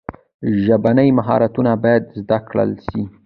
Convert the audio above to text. ژبني مهارتونه باید زده کړل سي.